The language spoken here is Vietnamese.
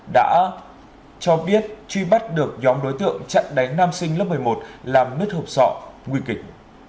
đã cho biết truy bắt được nhóm đối tượng chặn đánh nam sinh lớp một mươi một làm nứt hộp sọ nguy kịch